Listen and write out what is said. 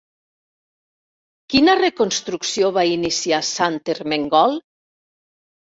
Quina reconstrucció va iniciar Sant Ermengol?